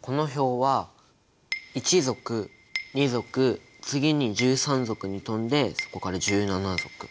この表は１族２族次に１３族に飛んでそこから１７族。